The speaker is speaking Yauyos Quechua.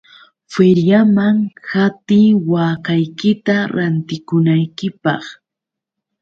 Feriaman qatiy waakaykita rantikunaykipaq.